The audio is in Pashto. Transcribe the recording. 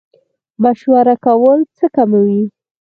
مشوره کول څه کموي؟